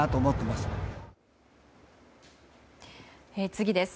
次です。